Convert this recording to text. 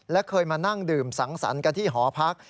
และเคยมานั่งดื่มสังสรรค์กันที่หอพัก